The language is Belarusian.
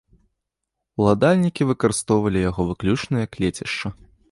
Уладальнікі выкарыстоўвалі яго выключна як лецішча.